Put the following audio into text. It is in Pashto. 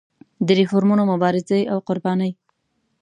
د ریفورمونو مبارزې او قربانۍ.